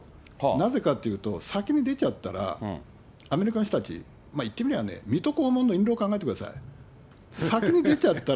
なぜかというと、先に出ちゃったら、アメリカの人たち、言ってみりゃね、水戸黄門の印籠、考えてください。